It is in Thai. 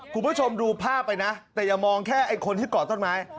คุณผู้ชมดูภาพไปนะแต่อย่ามองแค่ไอ้คนที่เกาะต้นไม้